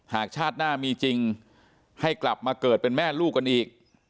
หากชาติหน้ามีจริงให้กลับมาเกิดเป็นแม่ลูกกันอีก